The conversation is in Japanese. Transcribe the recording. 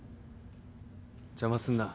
邪魔すんな。